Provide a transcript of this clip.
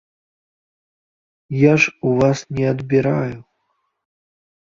Я ж у вас не адбіраю.